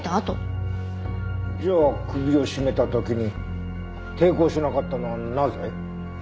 じゃあ首を絞めた時に抵抗しなかったのはなぜ？